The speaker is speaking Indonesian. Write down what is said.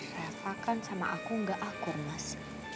reva kan sama aku gak akur mas